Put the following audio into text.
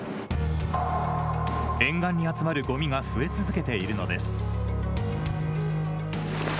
沿岸に集まるごみが増え続けているのです。